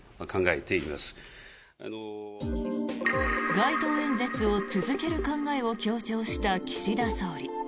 街頭演説を続ける考えを強調した岸田総理。